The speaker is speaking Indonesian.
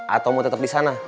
atau mau tetap di sana